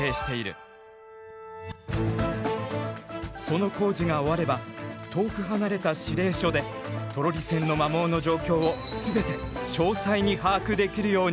その工事が終われば遠く離れた指令所でトロリ線の摩耗の状況を全て詳細に把握できるようになる。